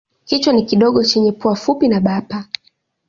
Kichwa ni kidogo chenye pua fupi na bapa.